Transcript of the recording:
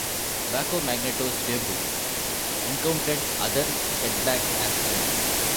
"Wacko Magneto"s debut encountered other setbacks as well.